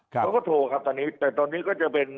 เขาก็โทรครับตอนนี้แต่ตอนนี้ก็จะเป็น